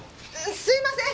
すいません！